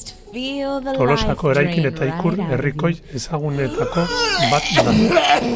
Tolosako eraikin eta ikur herrikoi ezagunenetako bat da.